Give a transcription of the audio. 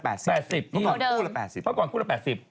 เพราะก่อนคู่ละ๘๐บาทเพราะก่อนคู่ละ๘๐บาท